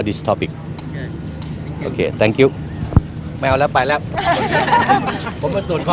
ถ้าเราอยู่อันดับ๒แล้วก็รวบรวมใช่ไหมคะ